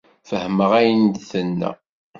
Fehmeɣ ayen i d-tenna.